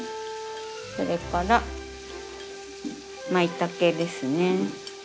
それからまいたけですね。